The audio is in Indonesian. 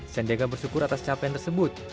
sandiaga bersyukur atas capaian tersebut